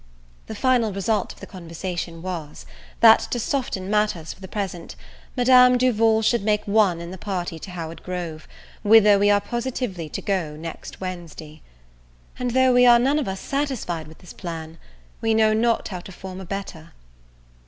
The final result of the conversation was, that, to soften matters for the present, Madame Duval should make one in the party to Howard Grove, whither we are positively to go next Wednesday. And though we are none of us satisfied with this plan, we know not how to form a better.